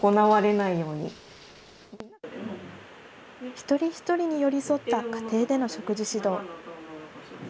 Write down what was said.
一人一人に寄り添った家庭での食事指導。